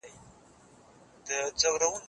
زه سبزیحات نه تياروم؟!